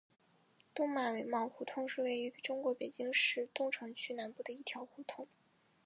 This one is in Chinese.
东马尾帽胡同是位于中国北京市东城区南部的一条胡同。